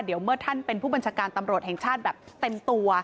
เดี๋ยวเมื่อท่านเป็นผู้บัญชาการตำรวจแห่งชาติแบบเต็มตัว